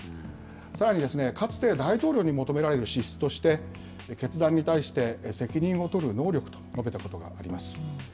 さらに、かつて大統領に求められる資質として、決断に対して責任を取る能力と述べたことがあります。